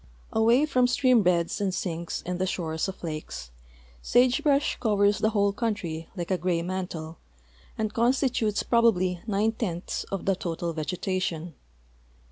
Awa}^ from stream beds and sinks and the shores of lakes, sage brush covers the whole country like a gray mantle and constitutes probably nine tenths of the total vegetation.